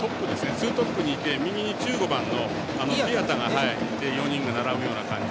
ツートップにいて右に１５番のディアタがいて並ぶような感じ。